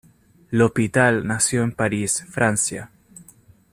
L'Hôpital nació en París, Francia.